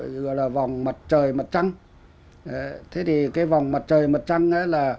được vòng mặt trời mặt trăng